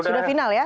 sudah final ya